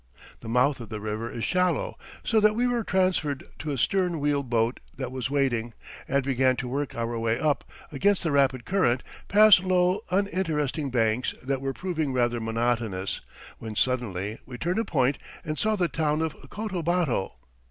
The mouth of the river is shallow, so that we were transferred to a stern wheel boat that was waiting, and began to work our way up, against the rapid current, past low, uninteresting banks that were proving rather monotonous, when suddenly we turned a point and saw the town of Cotobato.